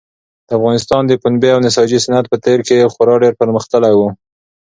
د افغانستان د پنبې او نساجي صنعت په تېر کې خورا ډېر پرمختللی و.